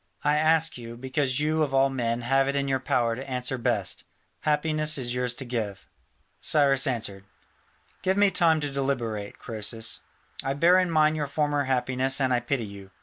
I ask you, because you of all men have it in your power to answer best. Happiness is yours to give." Cyrus answered, "Give me time to deliberate, Croesus. I bear in mind your former happiness and I pity you.